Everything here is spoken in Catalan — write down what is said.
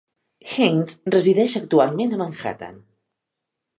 Heinz resideix actualment a Manhattan.